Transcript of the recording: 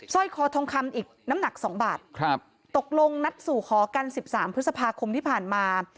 สร้อยคอทองคำอีกน้ำหนัก๒บาทตกลงนัดสู่คอกัน๑๓พฤษภาคมที่ผ่านมา